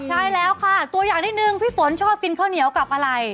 ใช่แล้วค่ะตัวอย่างนิดนึงพี่ฝนชอบกินข้าวเหนียวกับอะไร